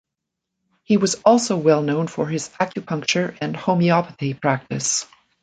He was also well known for his acupuncture and homeopathy practice.